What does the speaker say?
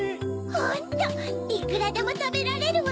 ホントいくらでもたべられるわ。